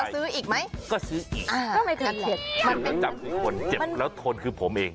แล้วซื้ออีกไหมก็ซื้ออีกจับคือคนเจ็บแล้วทนคือผมเอง